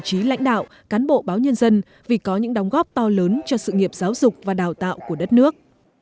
chí lãnh đạo cán bộ báo nhân dân vì có những đóng góp to lớn cho sự nghiệp giáo dục và đào tạo của đất nước